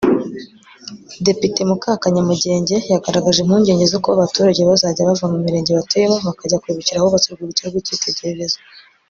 Depite Mukakanyamugenge yagaragaje impungenge zo kuba abaturage bazajya bava mu Mirenge batuyemo bakajya kwibukira ahubatse urwibutso rw’icyitegererezo